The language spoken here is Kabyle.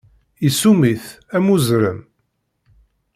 Isum-it, am uzrem.